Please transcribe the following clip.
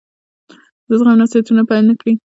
د زغم نصيحتونه پیل نه کړي.